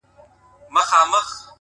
• چاویل چي بم ښایسته دی ښه مرغه دی,